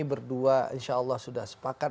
berdua insya allah sudah sepakat